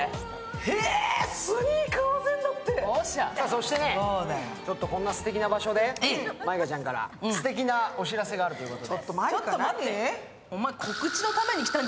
そして、こんなすてきな場所で、舞香ちゃんからすてきなお知らせがあるということで。